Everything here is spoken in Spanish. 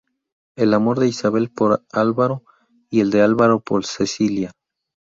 El amor de Isabel por Álvaro y el de Álvaro por Cecilia.